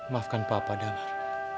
maafkan papa damar